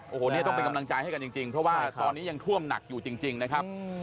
โอ้โหเนี่ยต้องเป็นกำลังใจให้กันจริงเพราะว่าตอนนี้ยังท่วมหนักอยู่จริงนะครับ